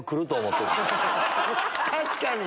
確かに！